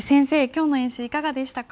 今日の演習いかがでしたか？